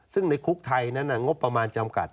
ซึ่งในคุกไทยนั้นงบประมาณจำกัด